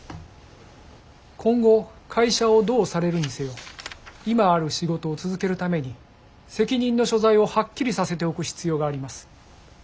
今後会社をどうされるにせよ今ある仕事を続けるために責任の所在をはっきりさせておく必要があります。